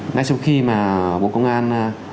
ngay sau khi bộ công an